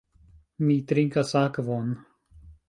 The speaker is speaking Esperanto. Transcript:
Mi trinkas akvon.